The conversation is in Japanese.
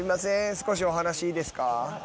少しお話いいですか？